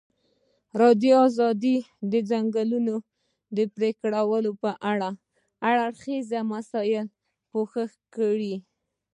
ازادي راډیو د د ځنګلونو پرېکول په اړه د هر اړخیزو مسایلو پوښښ کړی.